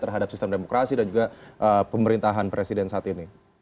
terhadap sistem demokrasi dan juga pemerintahan presiden saat ini